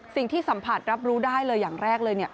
สิ่งที่สัมผัสรับรู้ได้เลยอย่างแรกเลย